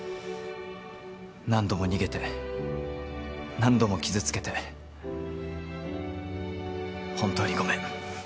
何度も逃げて何度も傷つけて本当にごめん。